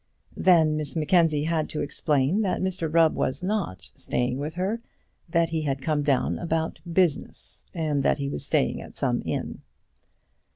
Then Miss Mackenzie had to explain that Mr Rubb was not staying with her, that he had come down about business, and that he was staying at some inn.